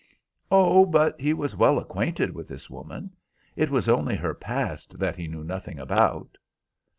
"Oh, but he was well acquainted with this woman. It was only her past that he knew nothing about."